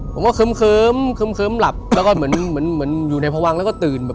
ผมก็เคิ้มเคิ้มหลับแล้วก็เหมือนอยู่ในพระวังแล้วก็ตื่น